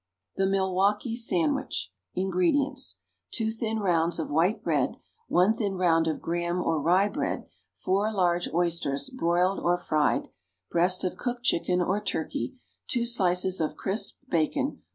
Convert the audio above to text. =The Milwaukee Sandwich.= INGREDIENTS. 2 thin rounds of white bread. 1 thin round of graham or rye bread. 4 large oysters, broiled or fried. Breast of cooked chicken, or turkey. Two slices of crisp bacon.